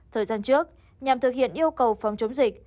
thời gian trước nhằm thực hiện yêu cầu phòng chống dịch